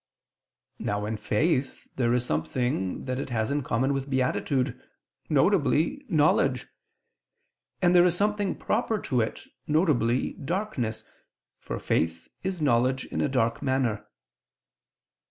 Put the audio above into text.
Now in faith there is something that it has in common with beatitude, viz. knowledge: and there is something proper to it, viz. darkness, for faith is knowledge in a dark manner.